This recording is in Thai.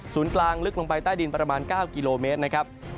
กลางลึกลงไปใต้ดินประมาณ๙กิโลเมตรนะครับ